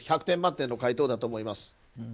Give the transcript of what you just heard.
１００点満点の回答だと思います。